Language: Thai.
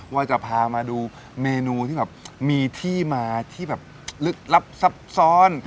ว่าจะพามาดูเมนูที่แบบมีที่มาที่แบบลึกลับซับซ้อน